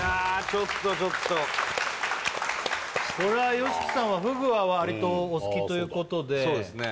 ちょっとちょっとこれはＹＯＳＨＩＫＩさんはふぐはわりとお好きということでそうですね